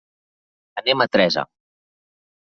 Anem a Teresa.